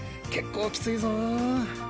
結構きついぞ。